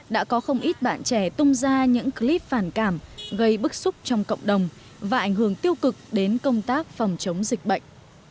đã có không ít bạn trẻ tung ra những clip phản cảm gây bức xúc trong cộng đồng và ảnh hưởng tiêu cực đến công tác phòng chống dịch bệnh